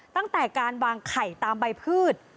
ตั้งแต่การวางไข่ตามใบพืช